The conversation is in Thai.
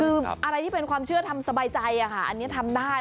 คืออะไรที่เป็นความเชื่อทำสบายใจอันนี้ทำได้